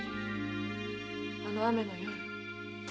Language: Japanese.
あの雨の夜。